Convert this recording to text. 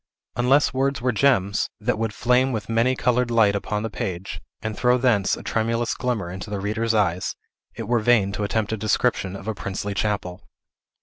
Unless words were gems, that would flame with many colored light upon the page, and throw thence a tremulous glimmer into the reader's eyes, it were wain to attempt a description of a princely chapel.